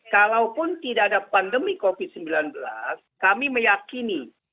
kalaupun tidak ada pandemi covid sembilan belas kami meyakini